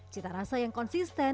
cita rasa yang konsisten